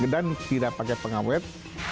dan tidak pakai pengawet